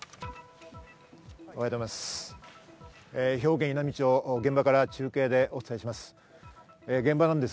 おはようございます。